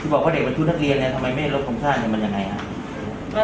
ที่บอกว่าเด็กมันชู้ทักเรียนทำไมไม่ได้โรคคมชาติมันยังไงครับ